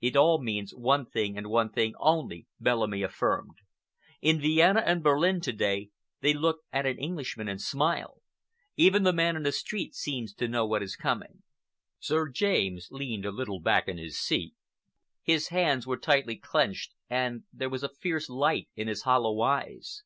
"It all means one thing and one thing only," Bellamy affirmed. "In Vienna and Berlin to day they look at an Englishman and smile. Even the man in the street seems to know what is coming." Sir James leaned a little back in his seat. His hands were tightly clenched, and there was a fierce light in his hollow eyes.